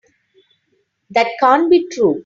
That can't be true.